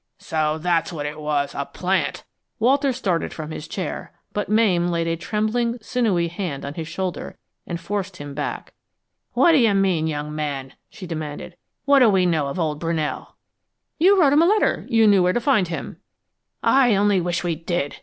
"So that's what it was, a plant!" Walter started from his chair, but Mame laid a trembling, sinewy hand upon his shoulder and forced him back. "What d'you mean, young man?" she demanded. "What do we know about old Brunell?" "You wrote him a letter you knew where to find him." "I only wish we did!"